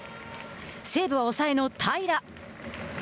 西武は抑えの平良。